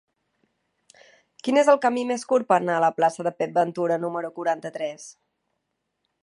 Quin és el camí més curt per anar a la plaça de Pep Ventura número quaranta-tres?